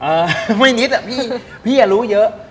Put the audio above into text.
เออไม่นิดอะพี่พี่รู้เยอะ